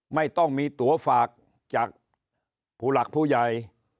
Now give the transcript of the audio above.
ไม่ต้องมีตัวฝากจากผู้หลักผู้ใหญ่